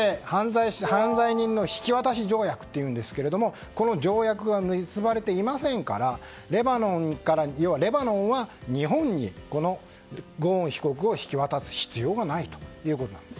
犯罪人の引き渡し条約というんですがこの条約が結ばれていませんからレバノンは日本にゴーン被告を引き渡す必要がないということなんです。